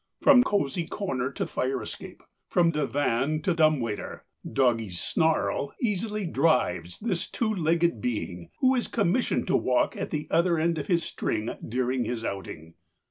From cosey corner to fire escape, from divan to dumbwaiter, doggy's snarl easily drives this two legged being who is commissioned to walk at the other end of his string during his outing.